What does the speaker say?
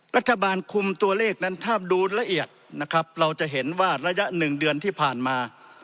รัฐบาลคุมตัวเลขนั้นถ้าดูละเอียดนะครับเราจะเห็นว่าระยะหนึ่งเดือนที่ผ่านมา